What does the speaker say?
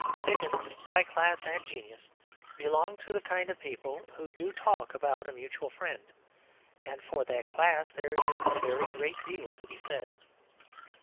Dickens, by class and genius, belonged to the kind of people who do talk about a "mutual friend"; and for that class there is a very great deal to be said.